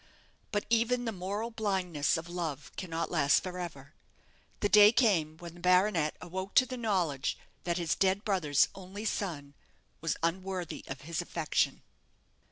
But even the moral blindness of love cannot last for ever. The day came when the baronet awoke to the knowledge that his dead brother's only son was unworthy of his affection.